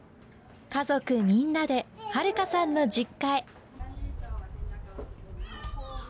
家族みんなで悠さんの実家へ。